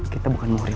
kita bukan murid